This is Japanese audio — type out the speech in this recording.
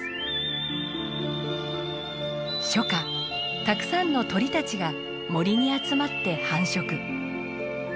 初夏たくさんの鳥たちが森に集まって繁殖。